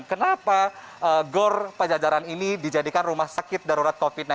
kenapa gor pajajaran ini dijadikan rumah sakit darurat covid sembilan belas